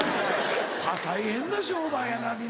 大変な商売やな皆。